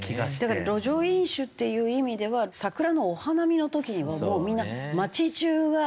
だから路上飲酒っていう意味では桜のお花見の時にはもうみんな街じゅうが飲み。